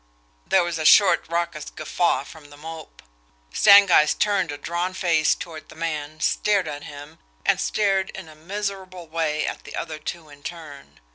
There was a short, raucous guffaw from The Mope. Stangeist turned a drawn face toward the man, stared at him, and stared in a miserable way at the other two in turn.